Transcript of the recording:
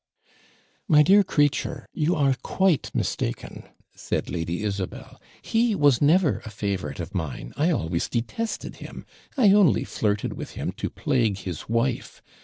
'My dear creature, you are quite mistaken,' said Lady Isabel, 'he was never a favourite of mine; I always detested him; I only flirted with him to plague his wife.